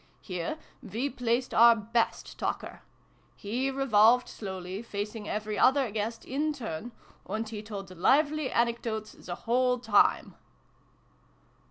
Here we placed our best talker. He revolved slowly, facing every other guest in turn : and he told lively anecdotes the whole time